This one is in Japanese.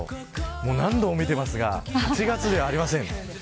もう、何度も見ていますが７月ではありません。